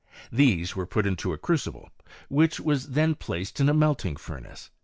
These were put into a crucible, which i then placed in a melting furnace.